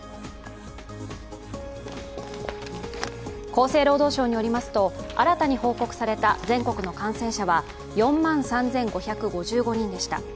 厚生労働省によりますと、新たに報告された全国の感染者は４万３５５５人でした。